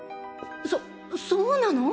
そそうなの？